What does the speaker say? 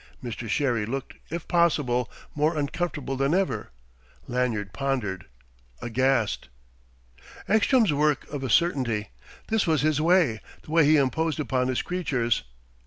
Mr. Sherry looked, if possible, more uncomfortable than ever. Lanyard pondered, aghast. Ekstrom's work, of a certainty! This was his way, the way he imposed upon his creatures.